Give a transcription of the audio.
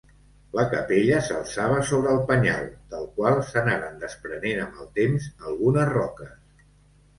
La capella s'alçava sobre el penyal, del qual s'anaren desprenent amb el temps algunes roques.